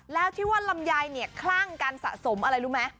แล้วที่ว่าลำไยเนี่ยคลั่งการสะสมอะไรรู้ไหม